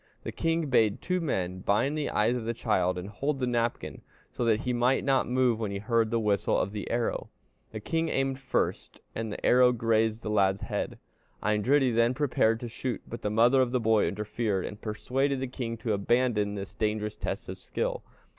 The king bade two men bind the eyes of the child and hold the napkin, so that he might not move when he heard the whistle of the arrow. The king aimed first, and the arrow grazed the lad's head. Eindridi then prepared to shoot; but the mother of the boy interfered, and persuaded the king to abandon this dangerous test of skill.